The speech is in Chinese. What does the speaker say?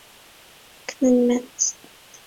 小花吊兰为百合科吊兰属的植物。